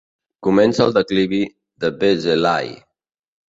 Comença el declivi de Vézelay.